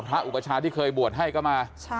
พระอุปชาติเคยบวชให้ก็มา